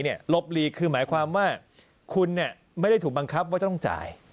หลบหลีกคือหมายความว่าคุณไม่ได้ถูกบังคับว่าจะต้องจ่าย